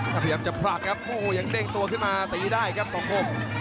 พยายามจะผลักครับโอ้โหยังเด้งตัวขึ้นมาตีได้ครับสองคม